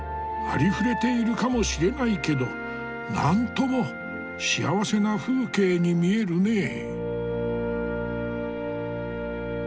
ありふれているかもしれないけどなんとも幸せな風景に見えるねえ。